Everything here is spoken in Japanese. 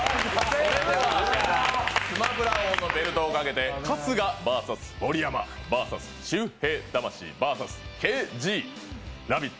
それでは、スマブラ王のベルトをかけて春日ｖｓ盛山ｖｓ周平魂ｖｓＫＺ、「ラヴィット！」